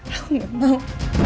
aku gak mau